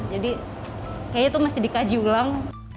jadi kayaknya itu mesti dikaji ulang